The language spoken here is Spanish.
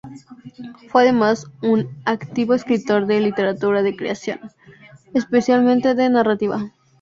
Fue además un activo escritor de literatura de creación, especialmente de narrativa.